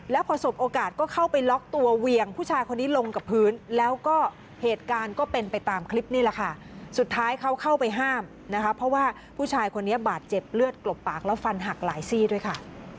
แล้วพอสบโอกาสก็เข้าไปล็อกตัวเวียงผู้ชายคนนี้ลงกับพื้นแล้วก็เหตุการณ์ก็เป็นไปตามคลิปนี่แหละค่ะสุดท้ายเขาเข้าไปห้ามนะคะเพราะว่าผู้ชายคนนี้บาดเจ็บเลือดกลบปากแล้วฟันหักหลายซี่ด้วยค่ะ